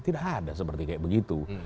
tidak ada seperti begitu